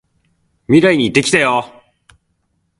未来に行ってきたよ！